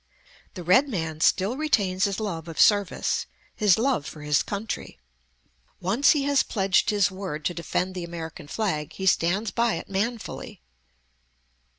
The red man still retains his love of service; his love for his country. Once he has pledged his word to defend the American flag, he stands by it manfully.